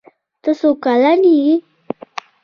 ته څو کلن يي